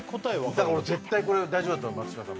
だから絶対これ大丈夫だと思う松島さん